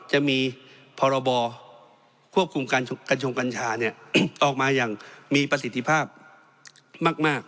จะมีพรบควบคุมกัญชงกัญชาออกมาอย่างมีประสิทธิภาพมาก